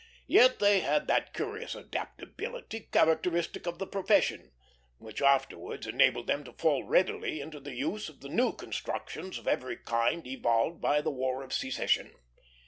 Yet they had that curious adaptability characteristic of the profession, which afterwards enabled them to fall readily into the use of the new constructions of every kind evolved by the War of Secession.